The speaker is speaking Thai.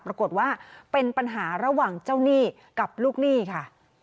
ปรากฏว่าเป็นปัญหาระหว่างเจ้าหนี้กับลูกหนี้ค่ะ